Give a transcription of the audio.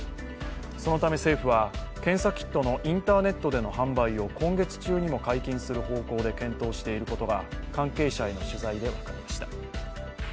そのため政府は検査キットのインターネットでの販売を今月中にも解禁する方向で検討していることが関係者への取材で分かりました。